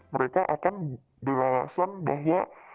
mereka akan berlelasan bahwa